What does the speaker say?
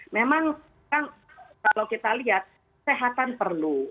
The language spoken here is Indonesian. memang kalau kita lihat kesehatan perlu